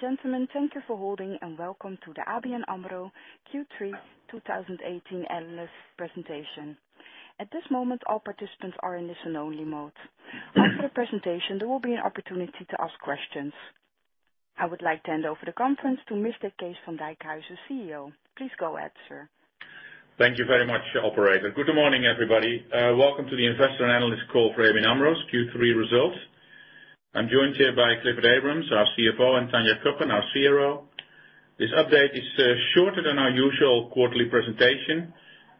Gentlemen, thank you for holding and welcome to the ABN AMRO Q3 2018 analyst presentation. At this moment, all participants are in listen only mode. After the presentation, there will be an opportunity to ask questions. I would like to hand over the conference to Mr. Kees van Dijkhuizen, CEO. Please go ahead, sir. Thank you very much, operator. Good morning, everybody. Welcome to the investor and analyst call for ABN AMRO's Q3 results. I am joined here by Clifford Abrahams, our CFO, and Tanja Cuppen, our CRO. This update is shorter than our usual quarterly presentation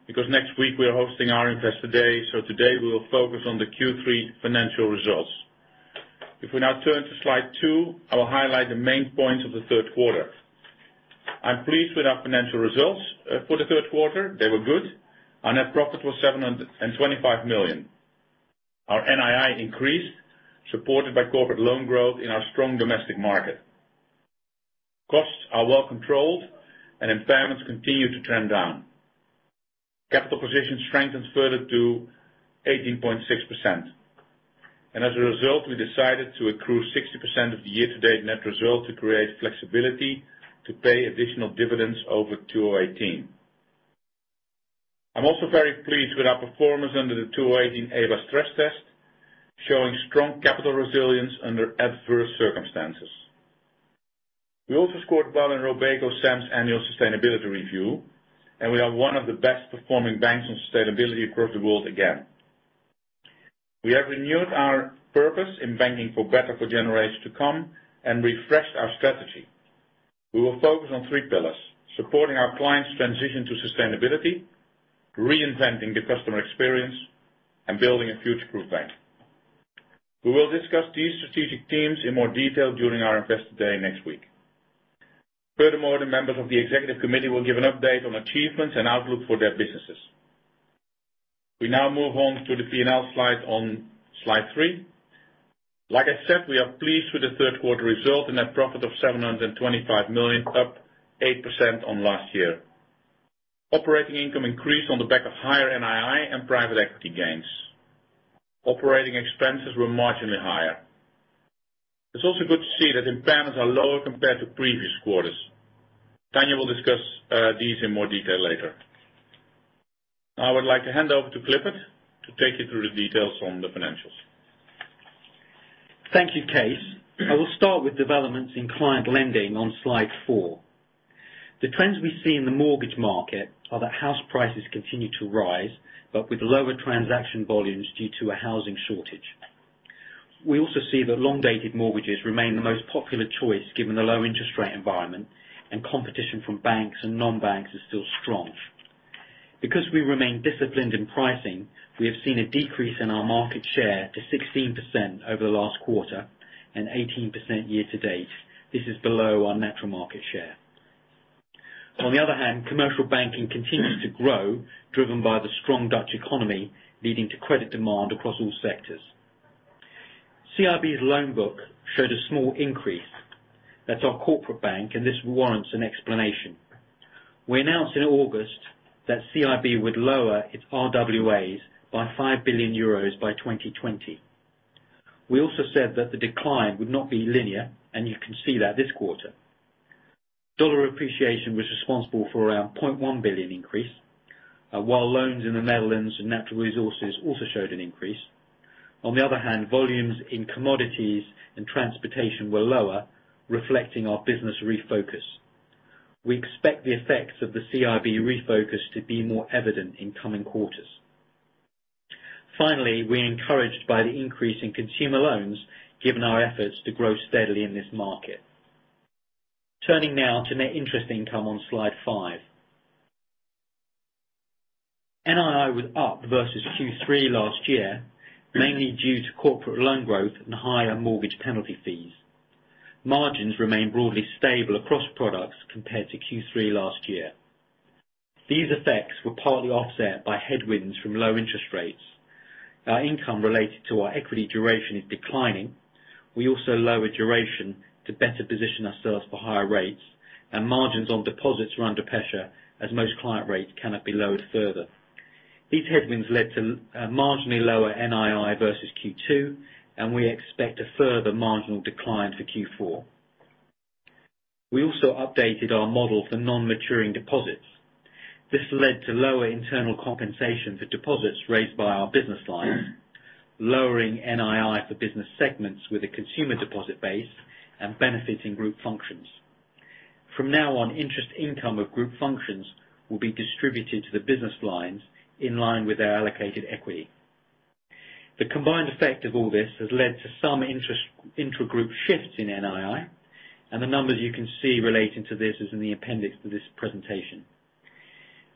because next week we are hosting our investor day. Today we will focus on the Q3 financial results. If we now turn to slide two, I will highlight the main points of the third quarter. I am pleased with our financial results for the third quarter. They were good. Our net profit was 725 million. Our NII increased, supported by corporate loan growth in our strong domestic market. Costs are well controlled and impairments continue to trend down. Capital position strengthens further to 18.6%. As a result, we decided to accrue 60% of the year-to-date net result to create flexibility to pay additional dividends over 2018. I am also very pleased with our performance under the 2018 EBA stress test, showing strong capital resilience under adverse circumstances. We also scored well in RobecoSAM's annual sustainability review, and we are one of the best performing banks on sustainability across the world again. We have renewed our purpose in banking for better for generations to come and refreshed our strategy. We will focus on three pillars, supporting our clients transition to sustainability, reinventing the customer experience, and building a future-proof bank. We will discuss these strategic themes in more detail during our investor day next week. Furthermore, the members of the executive committee will give an update on achievements and outlook for their businesses. We now move on to the P&L slide on slide three. Like I said, we are pleased with the third quarter result. A net profit of 725 million, up 8% on last year. Operating income increased on the back of higher NII and private equity gains. Operating expenses were marginally higher. It is also good to see that impairments are lower compared to previous quarters. Tanja will discuss these in more detail later. I would like to hand over to Clifford to take you through the details on the financials. Thank you, Kees. I will start with developments in client lending on slide four. The trends we see in the mortgage market are that house prices continue to rise, but with lower transaction volumes due to a housing shortage. We also see that long-dated mortgages remain the most popular choice given the low interest rate environment, and competition from banks and non-banks is still strong. Because we remain disciplined in pricing, we have seen a decrease in our market share to 16% over the last quarter and 18% year-to-date. This is below our natural market share. On the other hand, commercial banking continues to grow, driven by the strong Dutch economy, leading to credit demand across all sectors. CIB's loan book showed a small increase. That's our corporate bank, and this warrants an explanation. We announced in August that CIB would lower its RWAs by 5 billion euros by 2020. We also said that the decline would not be linear, and you can see that this quarter. Dollar appreciation was responsible for around $0.1 billion increase, while loans in the Netherlands and natural resources also showed an increase. On the other hand, volumes in commodities and transportation were lower, reflecting our business refocus. We expect the effects of the CIB refocus to be more evident in coming quarters. Finally, we're encouraged by the increase in consumer loans, given our efforts to grow steadily in this market. Turning now to net interest income on slide five. NII was up versus Q3 last year, mainly due to corporate loan growth and higher mortgage penalty fees. Margins remained broadly stable across products compared to Q3 last year. These effects were partly offset by headwinds from low interest rates. Our income related to our equity duration is declining. Margins on deposits are under pressure as most client rates cannot be lowered further. These headwinds led to marginally lower NII versus Q2. We expect a further marginal decline for Q4. We also updated our model for non-maturing deposits. This led to lower internal compensation for deposits raised by our business lines, lowering NII for business segments with a consumer deposit base and benefiting group functions. From now on, interest income of group functions will be distributed to the business lines in line with our allocated equity. The combined effect of all this has led to some intragroup shifts in NII. The numbers you can see relating to this is in the appendix for this presentation.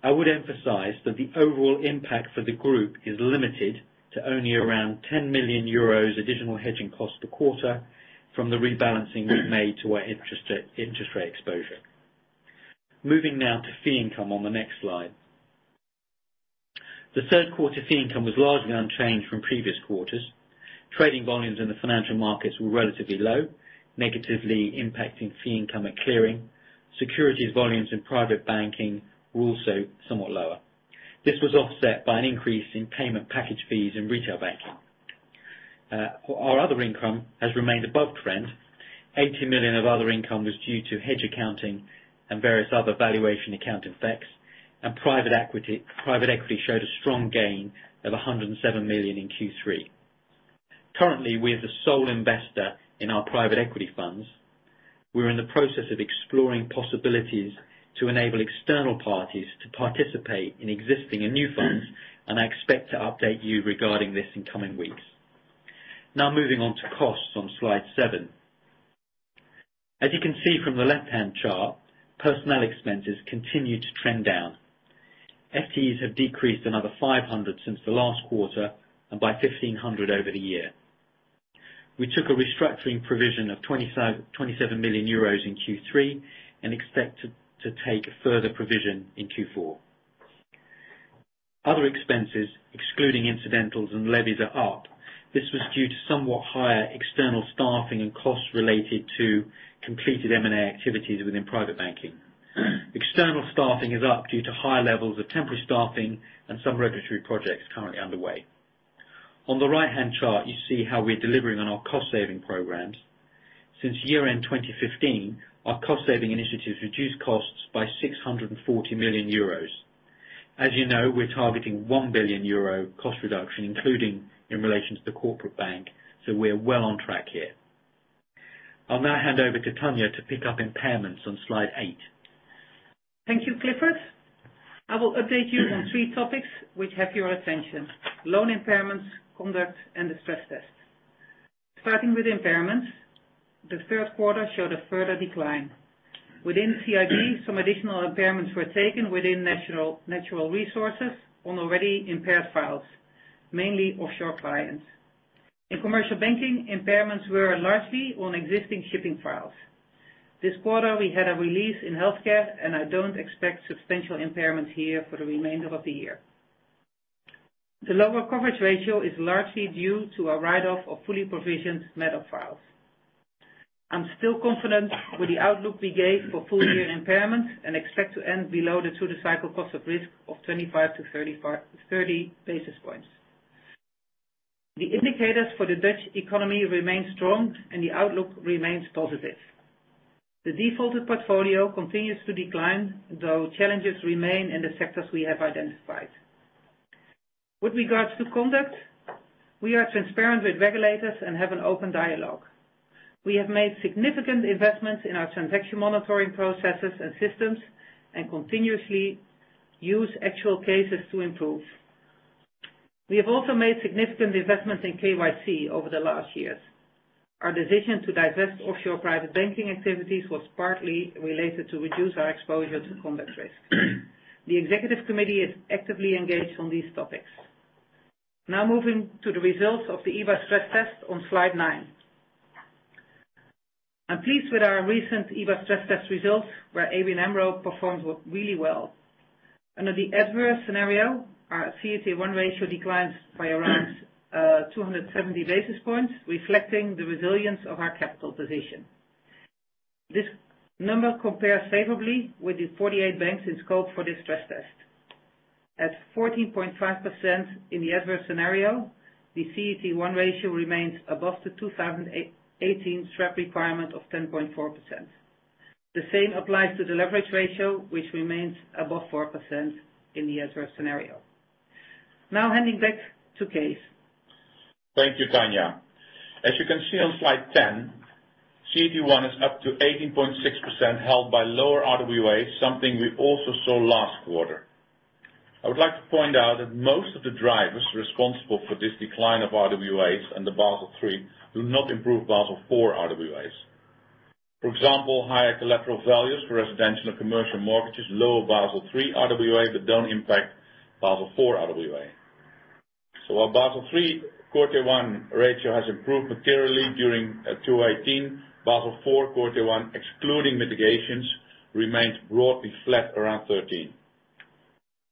I would emphasize that the overall impact for the group is limited to only around 10 million euros additional hedging cost per quarter from the rebalancing we've made to our interest rate exposure. Moving now to fee income on the next slide. The third quarter fee income was largely unchanged from previous quarters. Trading volumes in the financial markets were relatively low, negatively impacting fee income at clearing. Securities volumes in private banking were also somewhat lower. This was offset by an increase in payment package fees in retail banking. Our other income has remained above trend. 80 million of other income was due to hedge accounting and various other valuation account effects. Private equity showed a strong gain of 107 million in Q3. Currently, we're the sole investor in our private equity funds. We're in the process of exploring possibilities to enable external parties to participate in existing and new funds, I expect to update you regarding this in coming weeks. Moving on to costs on slide seven. As you can see from the left-hand chart, personnel expenses continue to trend down. FTEs have decreased another 500 since the last quarter and by 1,500 over the year. We took a restructuring provision of 27 million euros in Q3 and expect to take a further provision in Q4. Other expenses, excluding incidentals and levies, are up. This was due to somewhat higher external staffing and costs related to completed M&A activities within private banking. External staffing is up due to high levels of temporary staffing and some regulatory projects currently underway. On the right-hand chart, you see how we're delivering on our cost-saving programs. Since year-end 2015, our cost-saving initiatives reduced costs by 640 million euros. As you know, we're targeting 1 billion euro cost reduction, including in relation to the corporate bank. We're well on track here. I'll now hand over to Tanja to pick up impairments on Slide eight. Thank you, Clifford. I will update you on three topics which have your attention: loan impairments, conduct, and the stress test. Starting with impairments, the third quarter showed a further decline. Within CIB, some additional impairments were taken within natural resources on already impaired files, mainly offshore clients. In commercial banking, impairments were largely on existing shipping files. This quarter, we had a release in healthcare, I don't expect substantial impairments here for the remainder of the year. The lower coverage ratio is largely due to a write-off of fully provisioned metal files. I'm still confident with the outlook we gave for full-year impairments and expect to end below the through-the-cycle cost of risk of 25 to 30 basis points. The indicators for the Dutch economy remain strong. The outlook remains positive. The defaulted portfolio continues to decline, though challenges remain in the sectors we have identified. With regards to conduct, we are transparent with regulators and have an open dialogue. We have made significant investments in our transaction monitoring processes and systems continuously use actual cases to improve. We have also made significant investments in KYC over the last years. Our decision to divest offshore private banking activities was partly related to reduce our exposure to conduct risk. The executive committee is actively engaged on these topics. Moving to the results of the EBA stress test on slide nine. I'm pleased with our recent EBA stress test results, where ABN AMRO performed really well. Under the adverse scenario, our CET1 ratio declines by around 270 basis points, reflecting the resilience of our capital position. This number compares favorably with the 48 banks in scope for this stress test. At 14.5% in the adverse scenario, the CET1 ratio remains above the 2018 SREP requirement of 10.4%. The same applies to the leverage ratio, which remains above 4% in the adverse scenario. Now handing back to Kees. Thank you, Tanja. As you can see on slide 10, CET1 is up to 18.6% held by lower RWAs, something we also saw last quarter. I would like to point out that most of the drivers responsible for this decline of RWAs under Basel III do not improve Basel IV RWAs. For example, higher collateral values for residential or commercial mortgages, lower Basel III RWA, but don't impact Basel IV RWA. While Basel III CET1 ratio has improved materially during 2018, Basel IV CET1, excluding mitigations, remains broadly flat around 13%.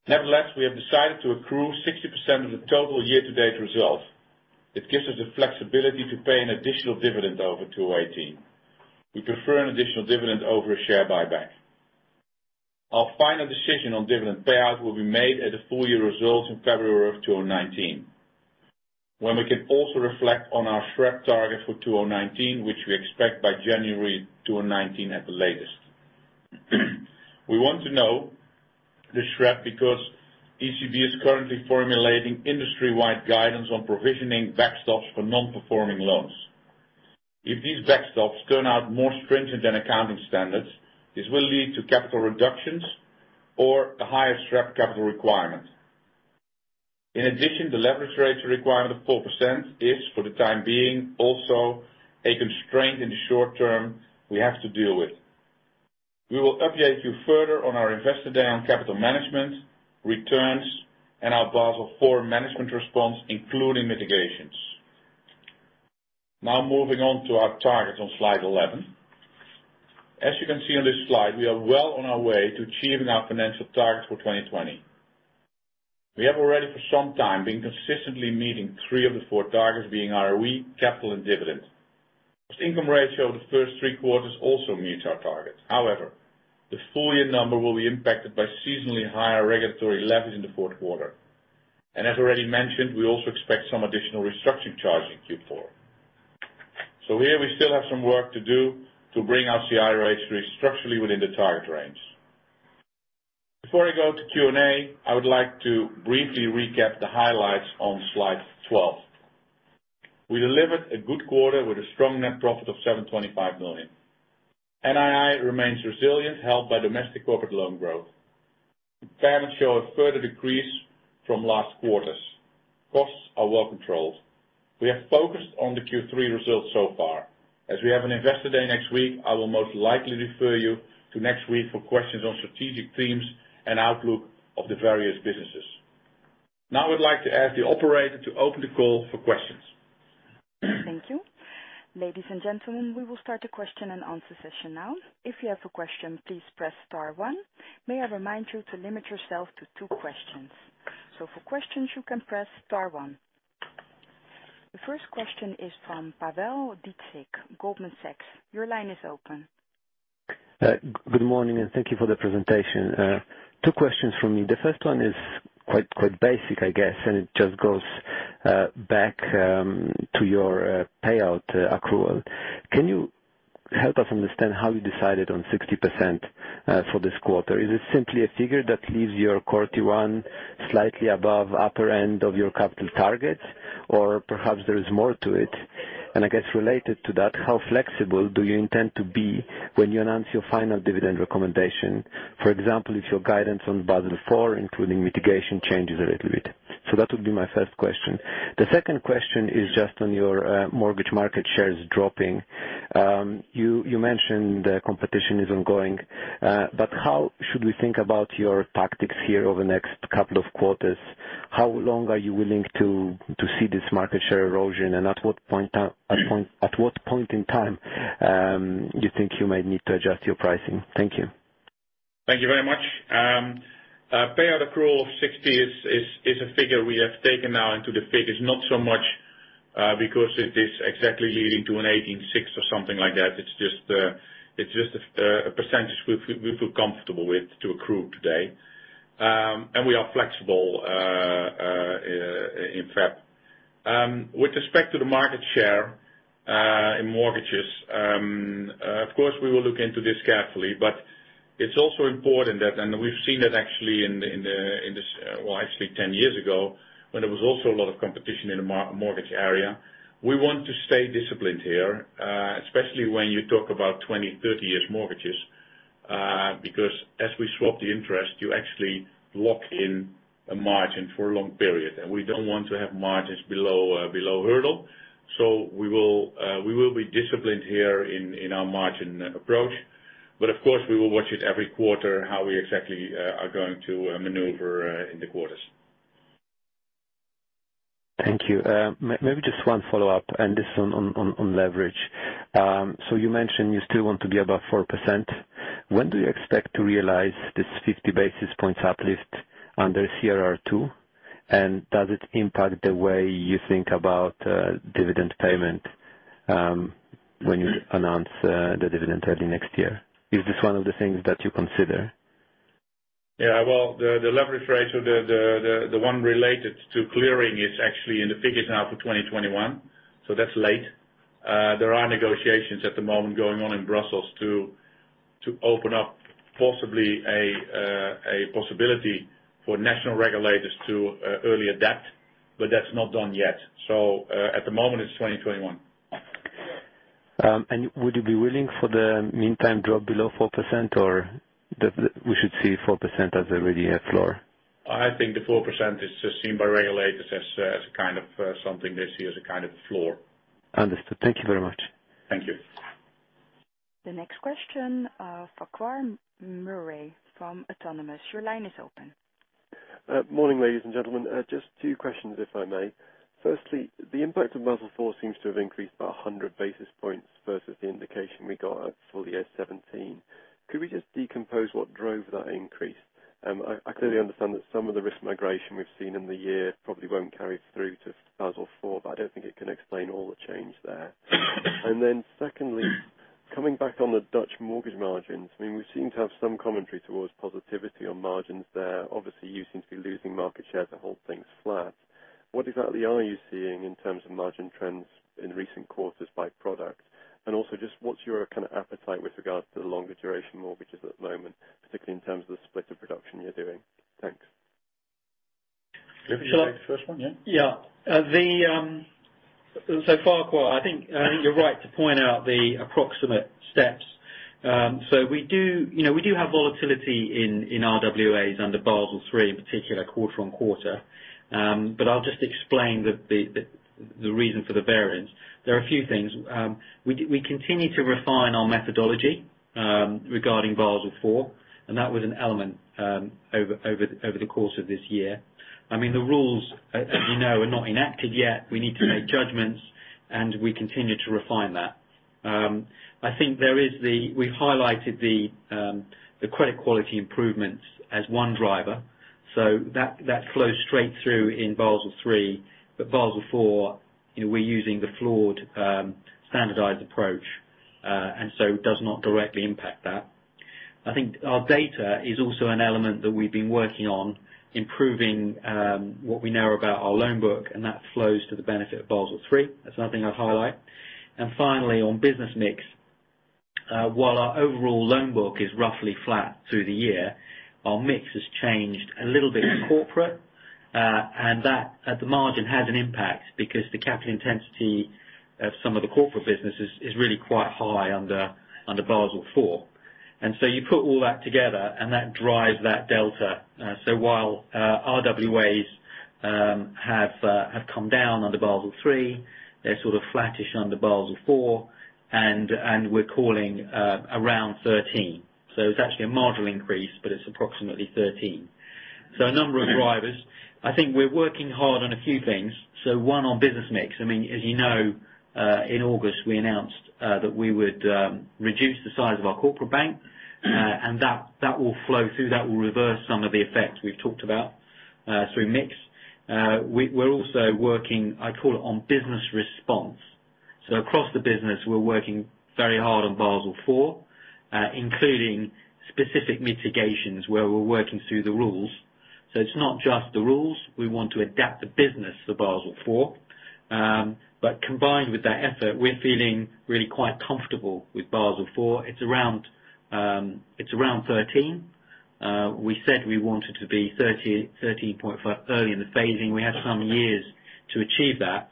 Nevertheless, we have decided to accrue 60% of the total year-to-date results. It gives us the flexibility to pay an additional dividend over 2018. We prefer an additional dividend over a share buyback. Our final decision on dividend payout will be made at the full-year results in February of 2019, when we can also reflect on our SREP target for 2019, which we expect by January 2019 at the latest. We want to know the SREP because ECB is currently formulating industry-wide guidance on provisioning backstops for non-performing loans. If these backstops turn out more stringent than accounting standards, this will lead to capital reductions or a higher SREP capital requirement. In addition, the leverage ratio requirement of 4% is, for the time being, also a constraint in the short term we have to deal with. We will update you further on our investor day on capital management, returns, and our Basel IV management response, including mitigations. Now moving on to our targets on slide 11. As you can see on this slide, we are well on our way to achieving our financial targets for 2020. We have already for some time been consistently meeting three of the four targets, being ROE, capital, and dividend. Cost-income ratio of the first three quarters also meets our target. However, the full-year number will be impacted by seasonally higher regulatory levies in the fourth quarter. As already mentioned, we also expect some additional restructuring charges in Q4. Here we still have some work to do to bring our CIR ratio structurally within the target range. Before I go to Q&A, I would like to briefly recap the highlights on slide 12. We delivered a good quarter with a strong net profit of 725 million. NII remains resilient, helped by domestic corporate loan growth. Impairment show a further decrease from last quarters. Costs are well controlled. We have focused on the Q3 results so far. As we have an investor day next week, I will most likely refer you to next week for questions on strategic themes and outlook of the various businesses. Now I would like to ask the operator to open the call for questions. Thank you. Ladies and gentlemen, we will start the question-and-answer session now. If you have a question, please press star one. May I remind you to limit yourself to two questions. For questions, you can press star one. The first question is from Pawel Dziedzic, Goldman Sachs. Your line is open. Good morning. Thank you for the presentation. Two questions from me. The first one is quite basic, I guess, and it just goes back to your payout accrual. Can you help us understand how you decided on 60% for this quarter? Is it simply a figure that leaves your Core Tier 1 slightly above upper end of your capital targets? Perhaps there is more to it. I guess related to that, how flexible do you intend to be when you announce your final dividend recommendation? For example, if your guidance on Basel IV, including mitigation, changes a little bit. That would be my first question. The second question is just on your mortgage market shares dropping. You mentioned the competition is ongoing. How should we think about your tactics here over the next couple of quarters? How long are you willing to see this market share erosion, at what point in time you think you may need to adjust your pricing? Thank you. Thank you very much. Payout accrual of 60% is a figure we have taken now into the figures, not so much because it is exactly leading to an 186 or something like that. It's just a percentage we feel comfortable with to accrue today. We are flexible in February. With respect to the market share in mortgages, of course, we will look into this carefully, but it's also important that, we've seen it actually 10 years ago, when there was also a lot of competition in the mortgage area. We want to stay disciplined here, especially when you talk about 20, 30 years mortgages. As we swap the interest, you actually lock in a margin for a long period. We don't want to have margins below hurdle. We will be disciplined here in our margin approach. Of course, we will watch it every quarter, how we exactly are going to maneuver in the quarters. Thank you. Maybe just one follow-up, this is on leverage. You mentioned you still want to be above four%. When do you expect to realize this 50 basis points uplift under CRR2? Does it impact the way you think about dividend payment when you announce the dividend early next year? Is this one of the things that you consider? Yeah. Well, the leverage ratio, the one related to clearing, is actually in the figures now for 2021. That's late. There are negotiations at the moment going on in Brussels to open up possibly a possibility for national regulators to earlier adapt, but that's not done yet. At the moment, it's 2021. Would you be willing for the meantime drop below 4%, or we should see 4% as already a floor? I think the 4% is seen by regulators as something they see as a kind of floor. Understood. Thank you very much. Thank you. The next question, Farquhar Murray from Autonomous. Your line is open. Morning, ladies and gentlemen. Just two questions, if I may. Firstly, the impact of Basel IV seems to have increased by 100 basis points versus the indication we got at full-year 2017. Could we just decompose what drove that increase? I clearly understand that some of the risk migration we've seen in the year probably won't carry through to Basel IV, but I don't think it can explain all the change there. Secondly, coming back on the Dutch mortgage margins, we seem to have some commentary towards positivity on margins there. Obviously, you seem to be losing market share to hold things flat. What exactly are you seeing in terms of margin trends in recent quarters by product? Also just what's your appetite with regards to the longer duration mortgages at the moment, particularly in terms of the split of production you're doing? Thanks. Richard, you take the first one, yeah? Farquhar, I think you're right to point out the approximate steps. We do have volatility in RWAs under Basel III, in particular, quarter-on-quarter. I'll just explain the reason for the variance. There are a few things. We continue to refine our methodology regarding Basel IV, and that was an element over the course of this year. The rules, as you know, are not enacted yet. We need to make judgments, and we continue to refine that. I think we've highlighted the credit quality improvements as one driver. That flows straight through in Basel III, but Basel IV, we're using the floored standardized approach, and it does not directly impact that. I think our data is also an element that we've been working on improving, what we know about our loan book, and that flows to the benefit of Basel III. That's another thing I'd highlight. Finally, on business mix, while our overall loan book is roughly flat through the year, our mix has changed a little bit in corporate. That at the margin has an impact because the capital intensity of some of the corporate businesses is really quite high under Basel IV. You put all that together, and that drives that delta. While RWAs have come down under Basel III, they're sort of flattish under Basel IV, and we're calling around 13. It's actually a marginal increase, but it's approximately 13. A number of drivers. I think we're working hard on a few things. One, on business mix. As you know, in August, we announced that we would reduce the size of our corporate bank, and that will flow through. That will reverse some of the effects we've talked about through mix. We're also working, I call it, on business response. Across the business, we're working very hard on Basel IV, including specific mitigations where we're working through the rules. It's not just the rules. We want to adapt the business to Basel IV. Combined with that effort, we're feeling really quite comfortable with Basel IV. It's around 13. We said we wanted to be 13.5 early in the phasing. We have some years to achieve that.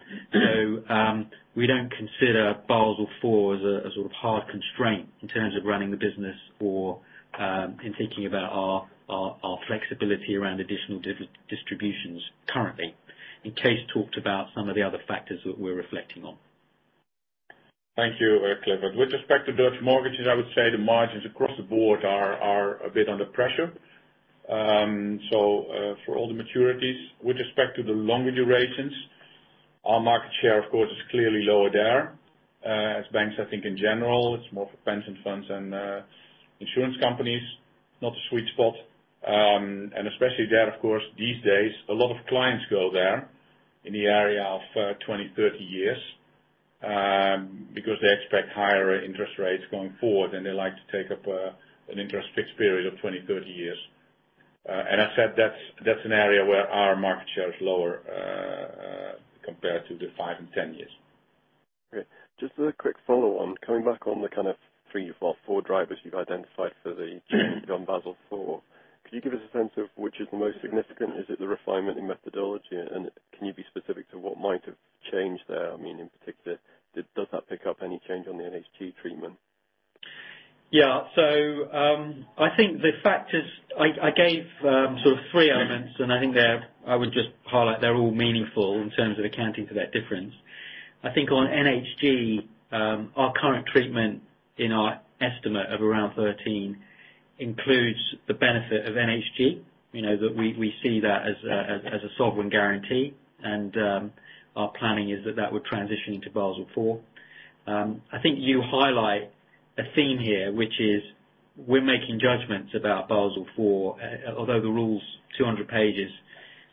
We don't consider Basel IV as a sort of hard constraint in terms of running the business or in thinking about our flexibility around additional distributions currently. Kees talked about some of the other factors that we're reflecting on. Thank you, Clifford. With respect to Dutch mortgages, I would say the margins across the board are a bit under pressure. For all the maturities, with respect to the longer durations, our market share, of course, is clearly lower there. As banks, I think, in general, it's more for pension funds and insurance companies, not a sweet spot. Especially there, of course, these days, a lot of clients go there in the area of 20, 30 years, because they expect higher interest rates going forward, and they like to take up an interest fixed period of 20, 30 years. I said that's an area where our market share is lower compared to the five and 10 years. Okay. Just as a quick follow on, coming back on the 3, 4 drivers you've identified for the change on Basel IV, could you give us a sense of which is the most significant? Is it the refinement in methodology? Can you be specific to what might have changed there? In particular, does that pick up any change on the NHG treatment? Yeah. I think the factors I gave sort of 3 elements, I think I would just highlight they're all meaningful in terms of accounting for that difference. I think on NHG, our current treatment in our estimate of around 13 includes the benefit of NHG. We see that as a sovereign guarantee, our planning is that that would transition into Basel IV. I think you highlight a theme here, which is we're making judgments about Basel IV. Although the rule is 200 pages,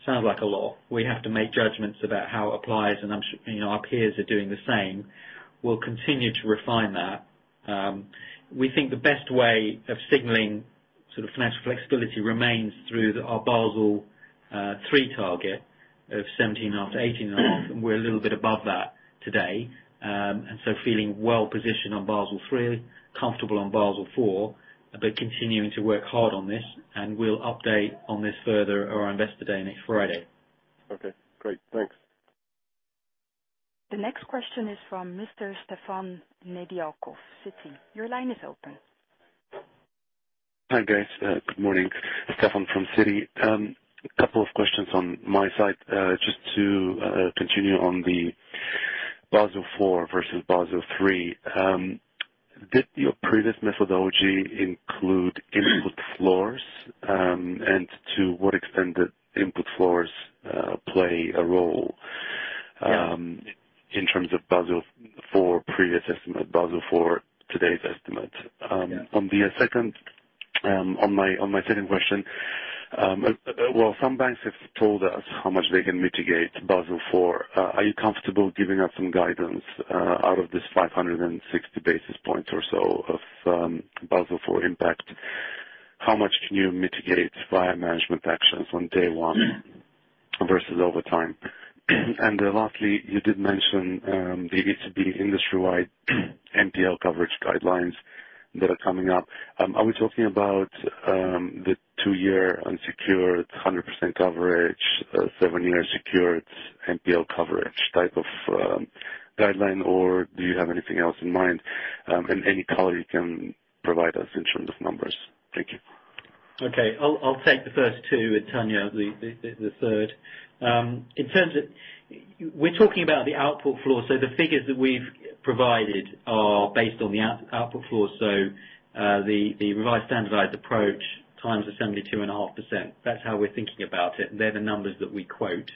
sounds like a lot. We have to make judgments about how it applies, our peers are doing the same. We'll continue to refine that. We think the best way of signaling financial flexibility remains through our Basel III target of 17 and a half to 18 and a half, we're a little bit above that today. Feeling well positioned on Basel III, comfortable on Basel IV, continuing to work hard on this, we'll update on this further at our Investor Day next Friday. Okay, great. Thanks. The next question is from Mr. Stefan Nedialkov, Citi. Your line is open. Hi, guys. Good morning. Stefan from Citi. A couple of questions on my side. Just to continue on the Basel IV versus Basel III. Did your previous methodology include input floors? To what extent did input floors play a role Yeah in terms of Basel IV previous estimate, Basel IV today's estimate? Yeah. On my second question, well, some banks have told us how much they can mitigate Basel IV. Are you comfortable giving us some guidance out of this 560 basis points or so of Basel IV impact? How much can you mitigate via management actions on day one versus over time? Lastly, you did mention there needs to be industry-wide NPL coverage guidelines that are coming up. Are we talking about the two-year unsecured 100% coverage, seven-year secured NPL coverage type of guideline, or do you have anything else in mind? Any color you can provide us in terms of numbers. Thank you. Okay. I'll take the first two, Tanja, the third. We're talking about the output floor, the figures that we've provided are based on the output floor. The revised standardized approach times the 72.5%. That's how we're thinking about it. They're the numbers that we quote.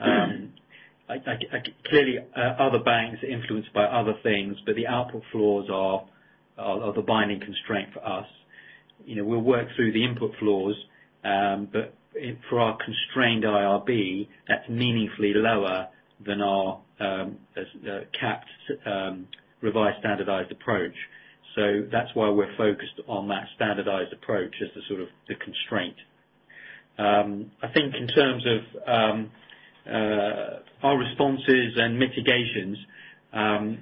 Clearly, other banks are influenced by other things, the output floors are the binding constraint for us. We'll work through the input floors, for our constrained IRB, that's meaningfully lower than our capped revised standardized approach. That's why we're focused on that standardized approach as the constraint. I think in terms of our responses and mitigations, as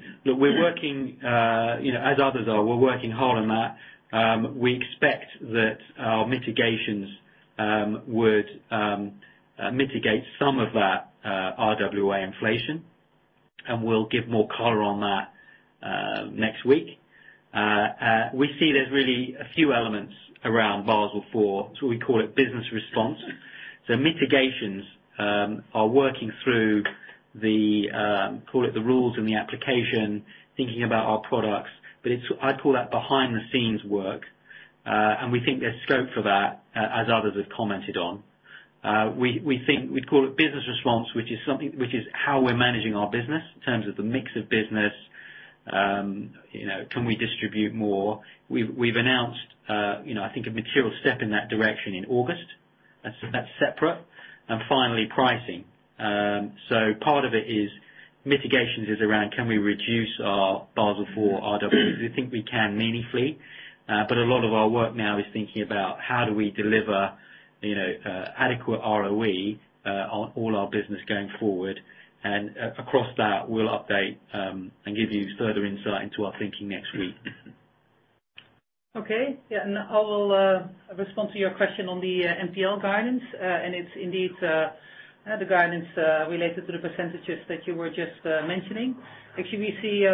others are, we're working hard on that. We expect that our mitigations would mitigate some of that RWA inflation, we'll give more color on that next week. We see there's really a few elements around Basel IV, we call it business response. Mitigations are working through the, call it, the rules and the application, thinking about our products. I call that behind-the-scenes work. We think there's scope for that, as others have commented on. We'd call it business response, which is how we're managing our business in terms of the mix of business. Can we distribute more? We've announced, I think, a material step in that direction in August. That's separate. Finally, pricing. Part of it is mitigations is around can we reduce our Basel IV RWAs? We think we can meaningfully. A lot of our work now is thinking about how do we deliver adequate ROE on all our business going forward. Across that, we'll update, and give you further insight into our thinking next week. Okay. Yeah. I will respond to your question on the NPL guidance. It's indeed the guidance related to the percentages that you were just mentioning. Actually, we see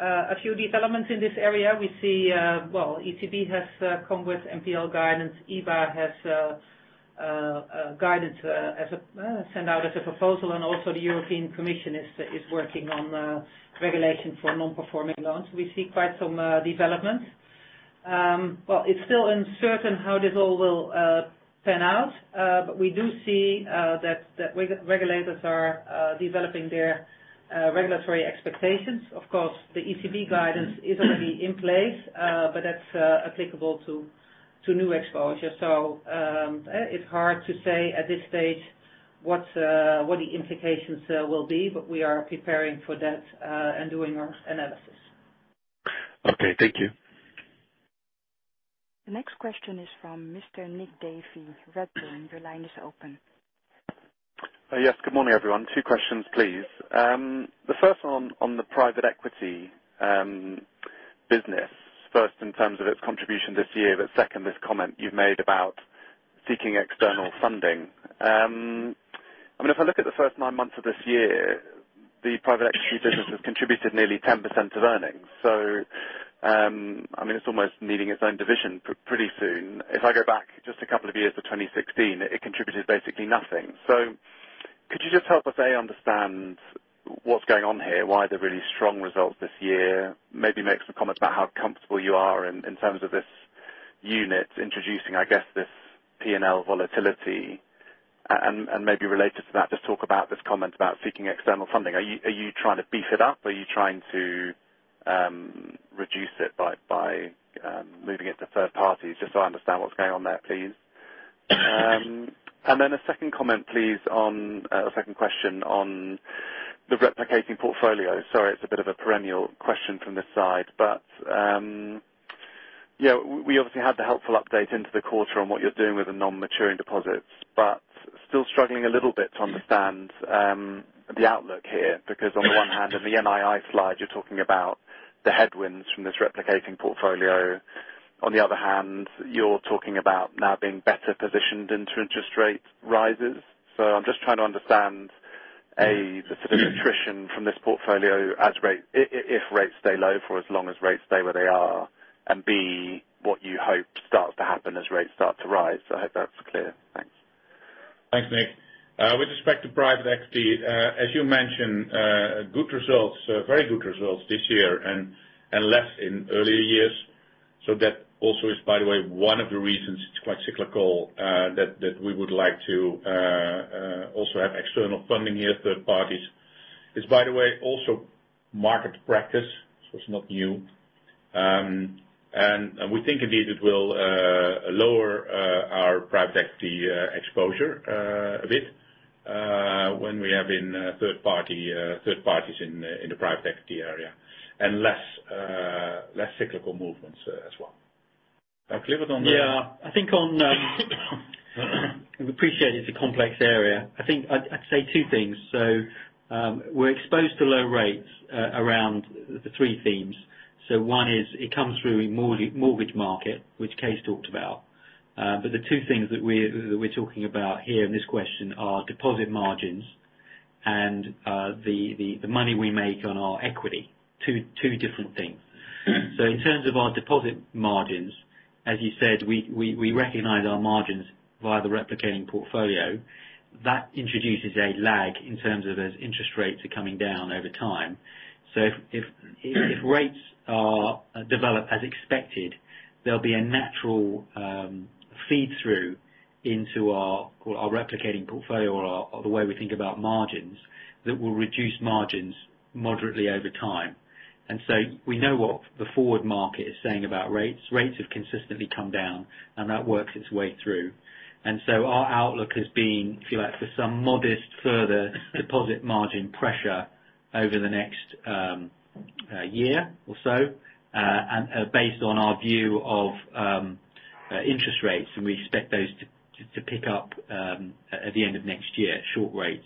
a few developments in this area. We see, well, ECB has come with NPL guidance. EBA has a guidance sent out as a proposal, also the European Commission is working on regulation for non-performing loans. We see quite some developments. Well, it's still uncertain how this all will pan out. We do see that regulators are developing their regulatory expectations. Of course, the ECB guidance is already in place, that's applicable to new exposure. It's hard to say at this stage what the implications there will be, we are preparing for that, and doing our analysis. Okay. Thank you. The next question is from Mr. Nick Davey, Redburn. Your line is open. Yes. Good morning, everyone. Two questions, please. The first one on the private equity business. First, in terms of its contribution this year. Second, this comment you've made about seeking external funding. I mean, if I look at the first nine months of this year, the private equity business has contributed nearly 10% of earnings. It's almost needing its own division pretty soon. If I go back just a couple of years to 2016, it contributed basically nothing. Could you just help us, A, understand what's going on here, why the really strong results this year? Maybe make some comment about how comfortable you are in terms of this unit introducing, I guess, this P&L volatility. Maybe related to that, just talk about this comment about seeking external funding. Are you trying to beef it up? Are you trying to reduce it by moving it to third parties? Just so I understand what's going on there, please. Then a second comment, please, on a second question on the replicating portfolio. Sorry, it's a bit of a perennial question from this side. We obviously had the helpful update into the quarter on what you're doing with the non-maturing deposits. Still struggling a little bit to understand the outlook here, because on the one hand, in the NII slide, you're talking about the headwinds from this replicating portfolio. On the other hand, you're talking about now being better positioned into interest rate rises. I'm just trying to understand, A, the sort of attrition from this portfolio, if rates stay low for as long as rates stay where they are, and B, what you hope starts to happen as rates start to rise. I hope that's clear. Thanks. Thanks, Nick. With respect to private equity, as you mentioned, good results, very good results this year and less in earlier years. That also is, by the way, one of the reasons it's quite cyclical, that we would like to also have external funding here, third parties. It's, by the way, also market practice, so it's not new. We think indeed it will lower our private equity exposure a bit, when we have third parties in the private equity area. Less cyclical movements as well. Clear. We appreciate it's a complex area. I'd say two things. We're exposed to low rates around the three themes. One is it comes through in mortgage market, which Kees talked about. The two things that we're talking about here in this question are deposit margins and the money we make on our equity. Two different things. In terms of our deposit margins, as you said, we recognize our margins via the replicating portfolio. That introduces a lag in terms of as interest rates are coming down over time. If rates develop as expected, there'll be a natural feed-through into our replicating portfolio or the way we think about margins, that will reduce margins moderately over time. We know what the forward market is saying about rates. Rates have consistently come down and that works its way through. Our outlook has been, if you like, for some modest further deposit margin pressure over the next year or so, based on our view of interest rates, we expect those to pick up at the end of next year, short rates.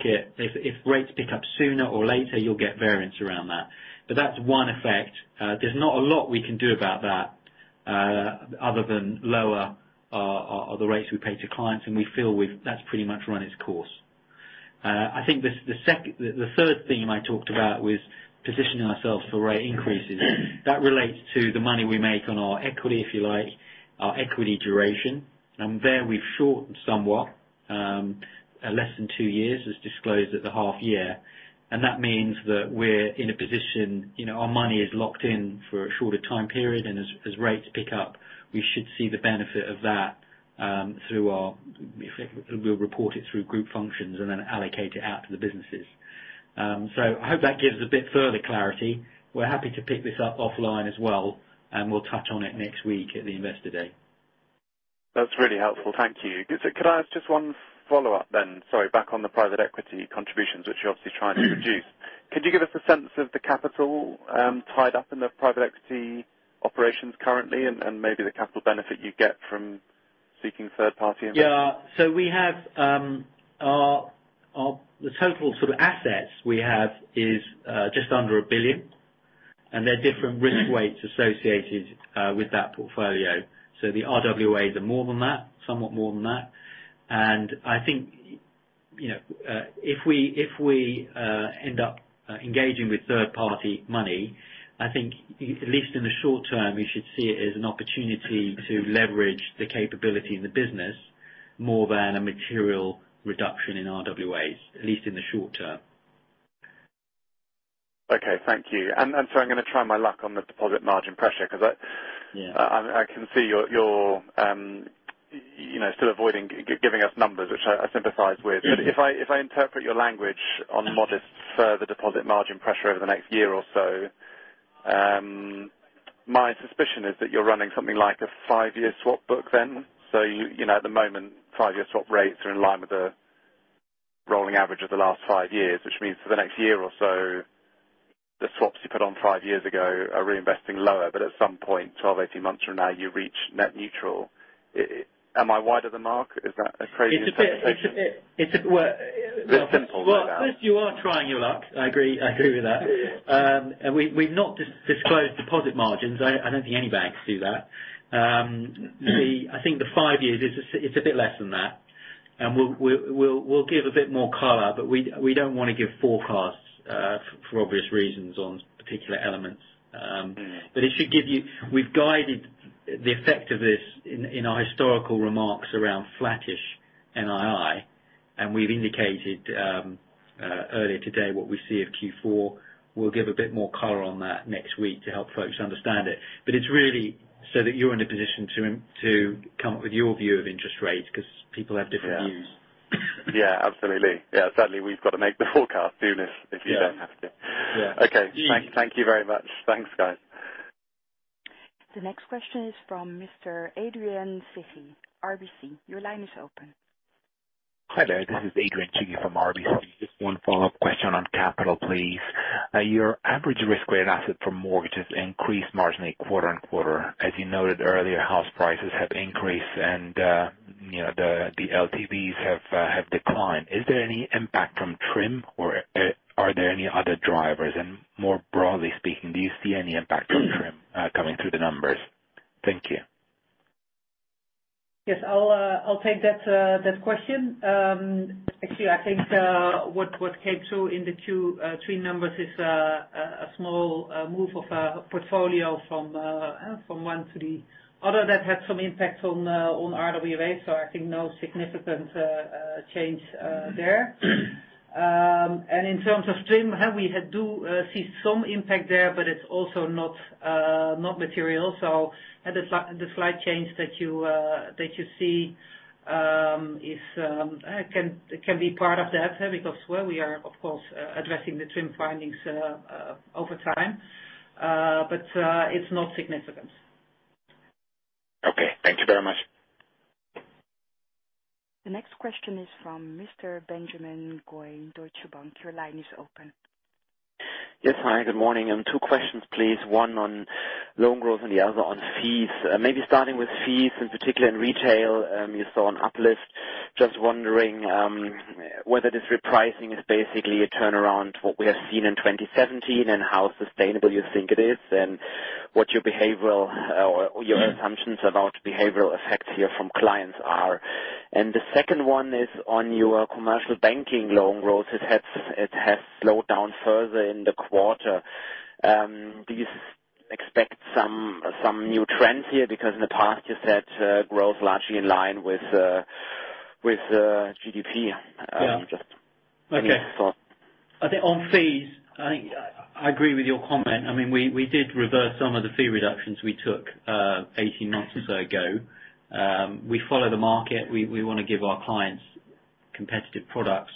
Clearly if rates pick up sooner or later, you'll get variance around that. That's one effect. There's not a lot we can do about that other than lower the rates we pay to clients, we feel that's pretty much run its course. I think the third theme I talked about was positioning ourselves for rate increases. That relates to the money we make on our equity, if you like, our equity duration. There we've shortened somewhat, less than two years as disclosed at the half year. That means that we're in a position, our money is locked in for a shorter time period, as rates pick up, we should see the benefit of that. We'll report it through group functions then allocate it out to the businesses. I hope that gives a bit further clarity. We're happy to pick this up offline as well, we'll touch on it next week at the investor day. That's really helpful. Thank you. Could I ask just one follow-up then? Sorry, back on the private equity contributions, which you're obviously trying to reduce. Could you give us a sense of the capital tied up in the private equity operations currently and maybe the capital benefit you get from seeking third party investment? Yeah. The total assets we have is just under 1 billion. There are different risk weights associated with that portfolio. The RWAs are more than that, somewhat more than that. I think, if we end up engaging with third party money, I think at least in the short term, you should see it as an opportunity to leverage the capability in the business more than a material reduction in RWAs, at least in the short term. Okay. Thank you. Sorry, I'm going to try my luck on the deposit margin pressure. Yeah I can see you're still avoiding giving us numbers, which I sympathize with. If I interpret your language on modest further deposit margin pressure over the next year or so, my suspicion is that you're running something like a five-year swap book then. At the moment, five-year swap rates are in line with the rolling average of the last five years, which means for the next year or so, the swaps you put on five years ago are reinvesting lower. At some point, 12, 18 months from now, you reach net neutral. Am I wide of the mark? Is that a crazy interpretation? Well- Bit simple, no doubt. First you are trying your luck. I agree with that. We've not disclosed deposit margins. I don't think any banks do that. I think the five years, it's a bit less than that. We'll give a bit more color, we don't want to give forecasts for obvious reasons on particular elements. We've guided the effect of this in our historical remarks around flattish NII, we've indicated earlier today what we see of Q4. We'll give a bit more color on that next week to help folks understand it. It's really so that you're in a position to come up with your view of interest rates because people have different views. Yeah. Absolutely. Yeah. Sadly, we've got to make the forecast, don't we, if you don't have to. Yeah. Okay. Thank you very much. Thanks, guys. The next question is from Mr. Adrian Cighi, RBC. Your line is open. Hi there. This is Adrian Cighi from RBC. Just one follow-up question on capital, please. Your average risk-weighted asset for mortgages increased marginally quarter-on-quarter. As you noted earlier, house prices have increased and the LTVs have declined. Is there any impact from TRIM or are there any other drivers? More broadly speaking, do you see any impact from TRIM coming through the numbers? Thank you. Yes, I'll take that question. Actually, I think what came through in the Q3 numbers is a small move of a portfolio from one to the other that had some impact on RWAs. I think no significant change there. In terms of TRIM, we do see some impact there, but it is also not material. The slight change that you see it can be part of that because, well, we are of course addressing the TRIM findings over time. It is not significant. Okay. Thank you very much. The next question is from Mr. Benjamin Goy, Deutsche Bank. Your line is open. Yes, hi. Good morning. Two questions, please. One on loan growth and the other on fees. Maybe starting with fees, in particular in retail you saw an uplift. Just wondering whether this repricing is basically a turnaround what we have seen in 2017 and how sustainable you think it is, and what your assumptions about behavioral effects here from clients are. The second one is on your commercial banking loan growth. It has slowed down further in the quarter. Do you expect some new trends here? Because in the past you said growth largely in line with With, GDP- Yeah just any thoughts. I think on fees, I agree with your comment. We did reverse some of the fee reductions we took 18 months or so ago. We follow the market. We want to give our clients competitive products.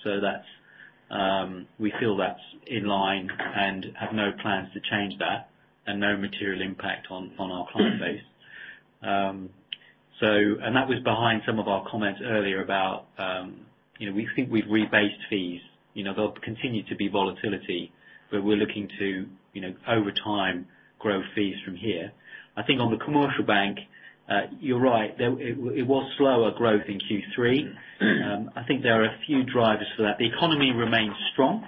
We feel that's in line and have no plans to change that and no material impact on our client base. That was behind some of our comments earlier about, we think we've rebased fees. There'll continue to be volatility. We're looking to, over time, grow fees from here. I think on the commercial bank, you're right. It was slower growth in Q3. I think there are a few drivers for that. The economy remains strong.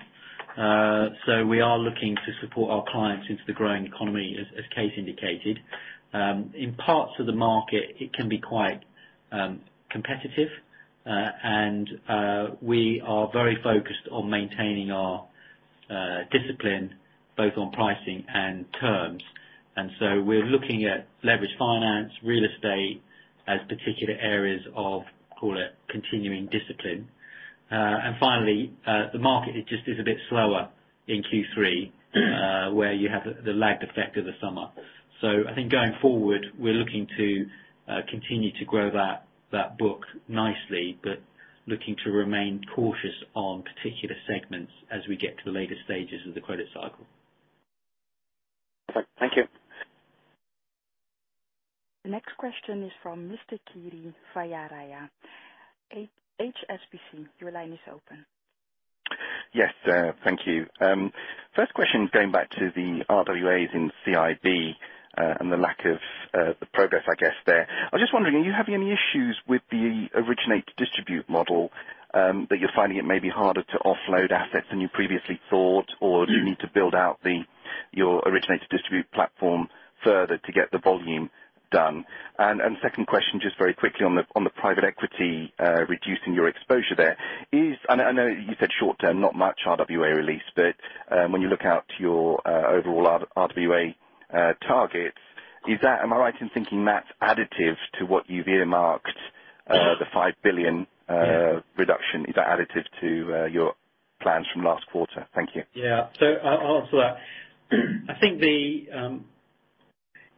We are looking to support our clients into the growing economy, as Kees indicated. In parts of the market, it can be quite competitive. We are very focused on maintaining our discipline both on pricing and terms. We're looking at leverage finance, real estate, as particular areas of, call it continuing discipline. Finally, the market just is a bit slower in Q3, where you have the lagged effect of the summer. I think going forward, we're looking to continue to grow that book nicely. Looking to remain cautious on particular segments as we get to the later stages of the credit cycle. Okay. Thank you. The next question is from Mr. Kiri Sri-Ayuthia, HSBC. Your line is open. Yes. Thank you. First question, going back to the RWAs in CIB, and the lack of the progress I guess there. I was just wondering, are you having any issues with the originate to distribute model, that you're finding it may be harder to offload assets than you previously thought? Or do you need to build out your originate to distribute platform further to get the volume done? Second question, just very quickly on the private equity, reducing your exposure there is I know you said short term, not much RWA release, but when you look out to your overall RWA targets, am I right in thinking that's additive to what you've earmarked, the 5 billion- Yeah reduction, is that additive to your plans from last quarter? Thank you. Yeah. I'll answer that.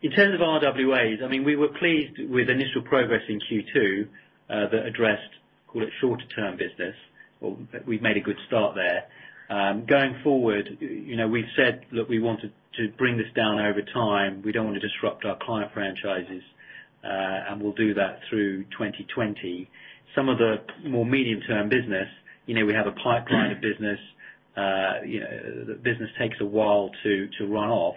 In terms of RWAs, we were pleased with initial progress in Q2, that addressed, call it shorter term business. We've made a good start there. Going forward, we've said we want to bring this down over time. We don't want to disrupt our client franchises. And we'll do that through 2020. Some of the more medium-term business, we have a pipeline of business. The business takes a while to run off.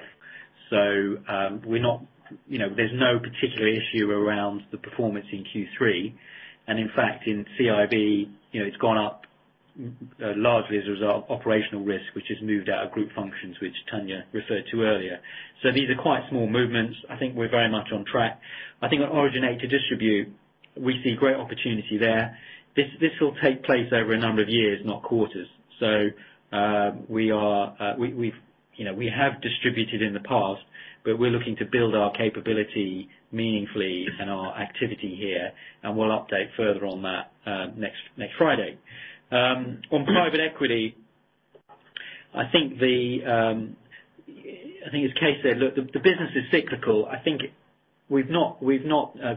There's no particular issue around the performance in Q3. And in fact, in CIB, it's gone up largely as a result of operational risk, which has moved out of group functions, which Tanja referred to earlier. These are quite small movements. We're very much on track. On originate to distribute, we see great opportunity there. This will take place over a number of years, not quarters. We have distributed in the past, but we're looking to build our capability meaningfully and our activity here, and we'll update further on that next Friday. On private equity, as Kees said, the business is cyclical. We've not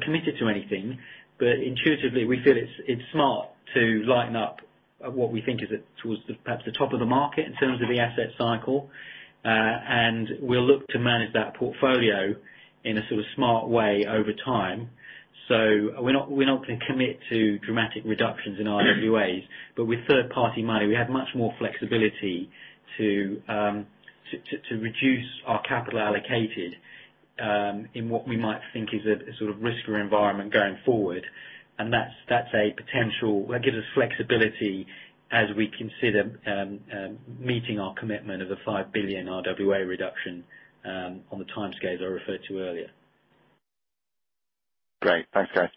committed to anything. Intuitively, we feel it's smart to lighten up what we think is towards perhaps the top of the market in terms of the asset cycle. And we'll look to manage that portfolio in a sort of smart way over time. So we're not going to commit to dramatic reductions in RWAs. But with third-party money, we have much more flexibility to reduce our capital allocated, in what we might think is a sort of riskier environment going forward. That's a potential that gives us flexibility as we consider meeting our commitment of a 5 billion RWA reduction, on the timescales I referred to earlier. Great. Thanks, guys.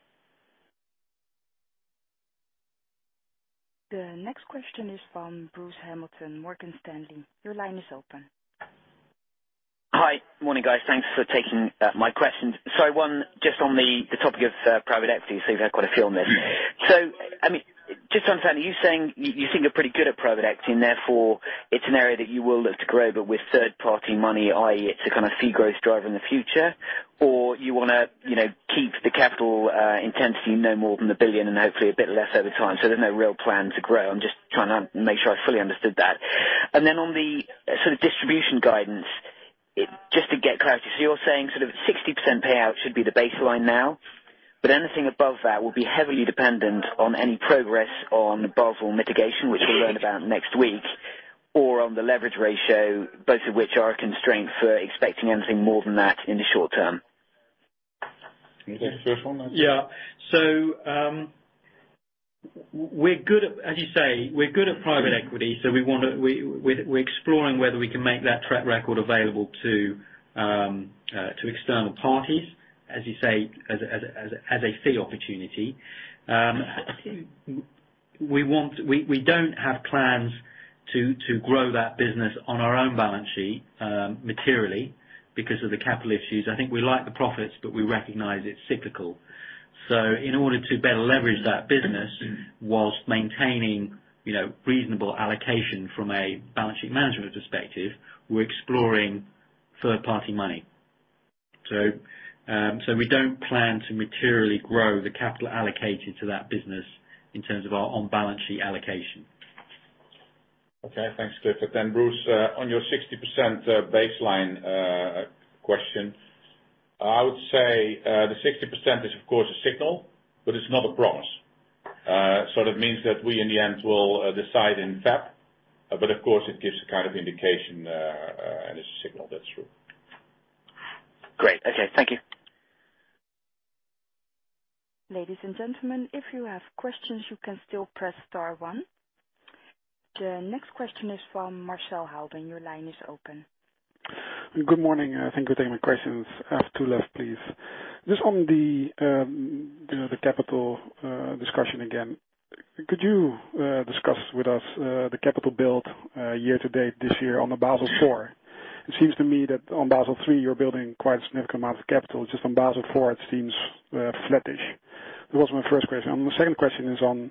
The next question is from Bruce Hamilton, Morgan Stanley. Your line is open. Hi. Morning, guys. Thanks for taking my questions. One just on the topic of private equity, you've had quite a few on this. Just on Tanja, you're saying you think you're pretty good at private equity, and therefore it's an area that you will look to grow, but with third-party money, i.e., it's a kind of fee growth driver in the future. You want to keep the capital intensity no more than 1 billion and hopefully a bit less over time. There's no real plan to grow. I'm just trying to make sure I fully understood that. Then on the sort of distribution guidance, just to get clarity. You're saying sort of 60% payout should be the baseline now, but anything above that will be heavily dependent on any progress on the Basel mitigation- Yes which we'll learn about next week, or on the leverage ratio, both of which are a constraint for expecting anything more than that in the short term. First one. That's it. Yeah. As you say, we're good at private equity, so we're exploring whether we can make that track record available to external parties, as you say, as a fee opportunity. We don't have plans to grow that business on our own balance sheet materially because of the capital issues. I think we like the profits, but we recognize it's cyclical. In order to better leverage that business whilst maintaining reasonable allocation from a balance sheet management perspective, we're exploring third-party money. We don't plan to materially grow the capital allocated to that business in terms of our on-balance sheet allocation. Okay, thanks, Clifford. Bruce, on your 60% baseline question, I would say the 60% is of course a signal, but it's not a promise. That means that we, in the end, will decide in February, of course it gives a kind of indication, and it's a signal. That's true. Great. Okay. Thank you. Ladies and gentlemen, if you have questions, you can still press star one. The next question is from Marcel Halden. Your line is open. Good morning. Thank you for taking my questions. I have two left, please. Just on the capital discussion again. Could you discuss with us the capital build year to date this year on the Basel IV? It seems to me that on Basel III, you're building quite a significant amount of capital. Just on Basel IV, it seems flattish. That was my first question. The second question is on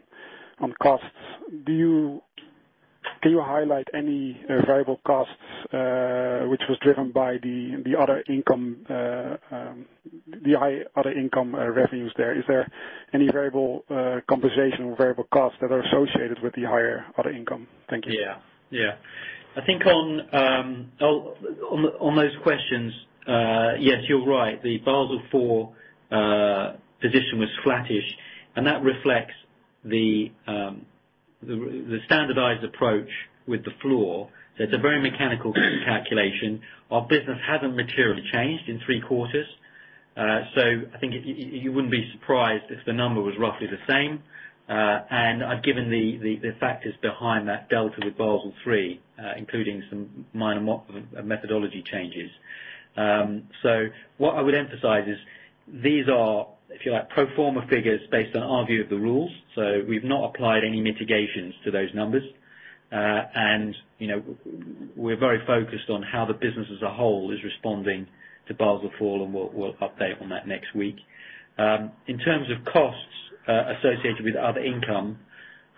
costs. Can you highlight any variable costs which was driven by the high other income revenues there? Is there any variable compensation or variable costs that are associated with the higher other income? Thank you. Yeah. I think on those questions, yes, you're right. The Basel IV position was flattish, and that reflects the standardized approach with the floor. It's a very mechanical calculation. Our business hasn't materially changed in three quarters. I think you wouldn't be surprised if the number was roughly the same. I've given the factors behind that delta with Basel III, including some minor methodology changes. What I would emphasize is these are, if you like, pro forma figures based on our view of the rules. We've not applied any mitigations to those numbers. We're very focused on how the business as a whole is responding to Basel IV, and we'll update on that next week. In terms of costs associated with other income,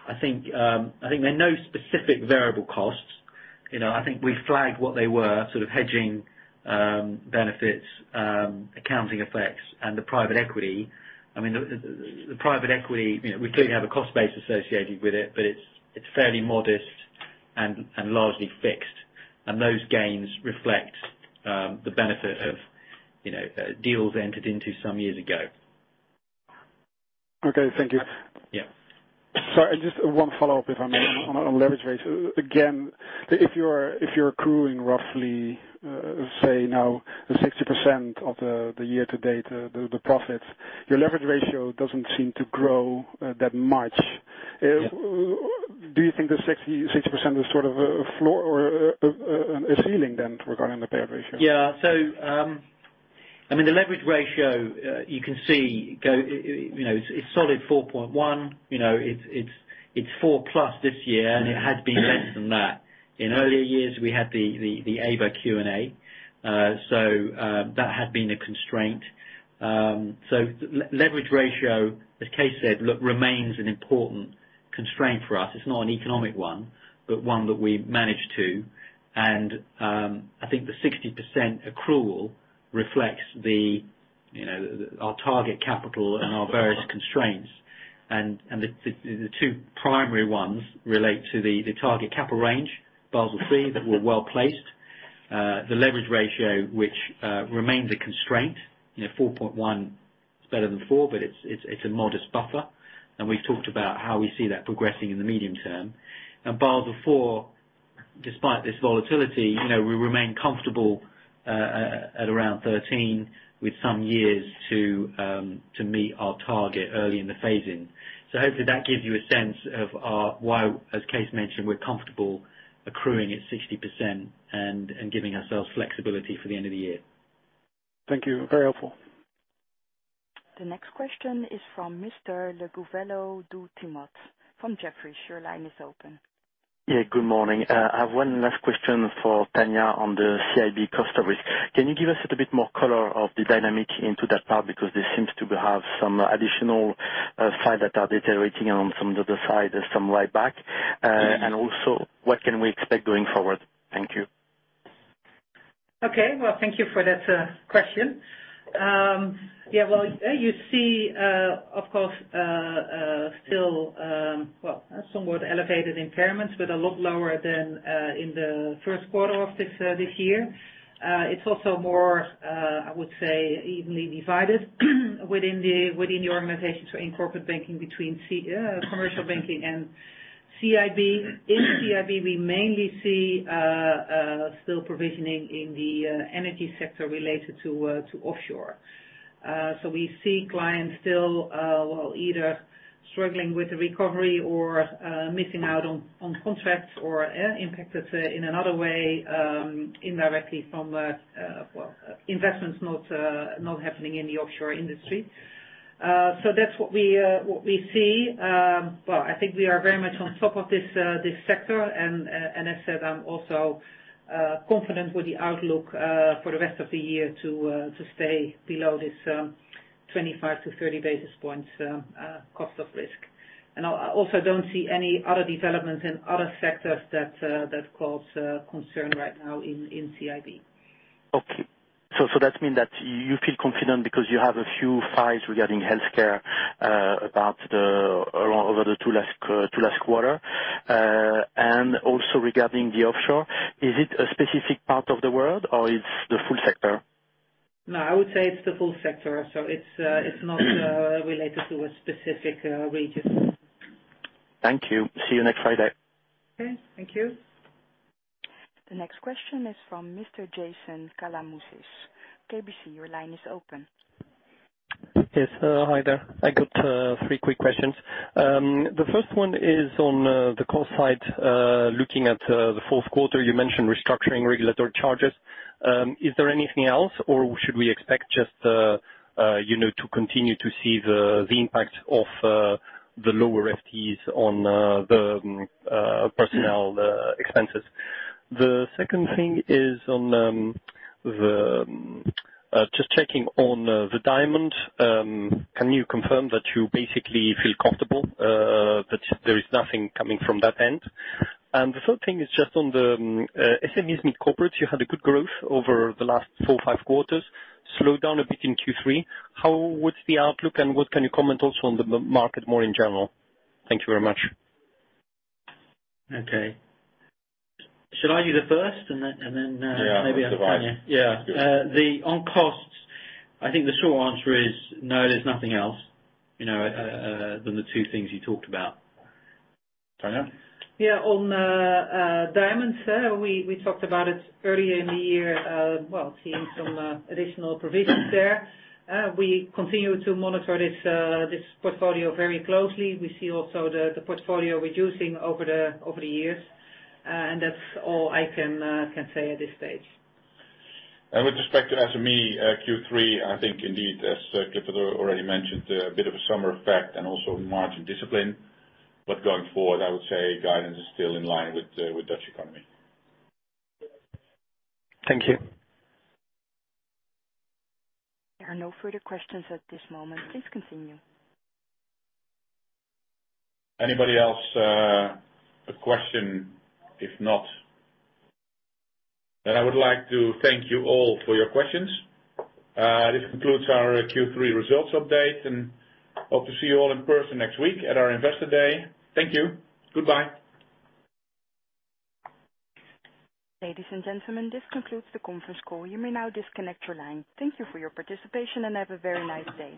I think there are no specific variable costs. I think we flagged what they were, sort of hedging benefits, accounting effects, and the private equity. The private equity, we clearly have a cost base associated with it, but it's fairly modest and largely fixed. Those gains reflect the benefit of deals entered into some years ago. Okay. Thank you. Yeah. Sorry, just one follow-up, if I may. On leverage rates, again, if you're accruing roughly, say now 60% of the year to date, the profits, your leverage ratio doesn't seem to grow that much. Yeah. Do you think the 60% is sort of a ceiling then regarding the payout ratio? The leverage ratio, you can see it's a solid 4.1. It's 4+ this year, and it has been less than that. In earlier years, we had the AVA Q&A. That had been a constraint. Leverage ratio, as Kees said, remains an important constraint for us. It's not an economic one, but one that we've managed to, and I think the 60% accrual reflects our target capital and our various constraints. The two primary ones relate to the target capital range, Basel III, that we're well-placed. The leverage ratio, which remains a constraint, 4.1 is better than 4, but it's a modest buffer. We've talked about how we see that progressing in the medium term. Basel IV, despite this volatility, we remain comfortable at around 13 with some years to meet our target early in the phase-in. Hopefully that gives you a sense of why, as Kees mentioned, we're comfortable accruing at 60% and giving ourselves flexibility for the end of the year. Thank you. Very helpful. The next question is from Mr. Le Gouvello du Timat, from Jefferies. Your line is open. Yeah. Good morning. I have one last question for Tanja on the CIB customer risk. Can you give us a little bit more color of the dynamic into that part? Because this seems to have some additional sides that are deteriorating on some of the sides and some right back. Also, what can we expect going forward? Thank you. Okay. Well, thank you for that question. Yeah, you see, of course, still somewhat elevated impairments, a lot lower than in the first quarter of this year. It's also more, I would say, evenly divided within the organization, in corporate banking between commercial banking and CIB. In CIB, we mainly see still provisioning in the energy sector related to offshore. We see clients still either struggling with the recovery or missing out on contracts or impacted in another way indirectly from investments not happening in the offshore industry. That's what we see. Well, I think we are very much on top of this sector, as said, I'm also confident with the outlook for the rest of the year to stay below this 25 to 30 basis points, cost of risk. I also don't see any other developments in other sectors that cause concern right now in CIB. That means that you feel confident because you have a few files regarding healthcare over the two last quarter. Also regarding the offshore, is it a specific part of the world, or it's the full sector? I would say it's the full sector. It's not related to a specific region. Thank you. See you next Friday. Okay. Thank you. The next question is from Mr. Jason Kalamboussis. KBC, your line is open. Yes. Hi there. I got three quick questions. The first one is on the cost side. Looking at the fourth quarter, you mentioned restructuring regulatory charges. Is there anything else, or should we expect just to continue to see the impact of the lower FTEs on the personnel expenses? The second thing is just checking on the diamond. Can you confirm that you basically feel comfortable that there is nothing coming from that end? The third thing is just on the SMEs, mid-corporates. You had a good growth over the last four or five quarters, slowed down a bit in Q3. What's the outlook, and what can you comment also on the market more in general? Thank you very much. Okay. Should I do the first, and then- Yeah. Maybe I'll turn to you. Yeah. On costs, I think the short answer is no, there's nothing else than the two things you talked about. Tanja? Yeah. On diamonds, we talked about it earlier in the year, seeing some additional provisions there. We continue to monitor this portfolio very closely. We see also the portfolio reducing over the years. That's all I can say at this stage. With respect to SME Q3, I think indeed, as Clifford already mentioned, a bit of a summer effect and also margin discipline. Going forward, I would say guidance is still in line with Dutch economy. Thank you. There are no further questions at this moment. Please continue. Anybody else, a question? If not, I would like to thank you all for your questions. This concludes our Q3 results update, and hope to see you all in person next week at our Investor Day. Thank you. Goodbye. Ladies and gentlemen, this concludes the conference call. You may now disconnect your line. Thank you for your participation, and have a very nice day.